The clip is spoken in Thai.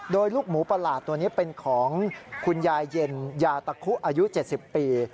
โดยลูกหมูประหลาดตัวนี้เป็นของคุณยายเย็นยาตะคุอายุ๗๐ปี